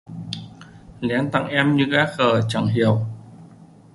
Lén tặng em như gã khờ chẳng hiểu